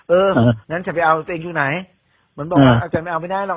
เอองั้นจะไปเอาตัวเองอยู่ไหนมันบอกว่าอาจารย์ไม่เอาไปได้หรอก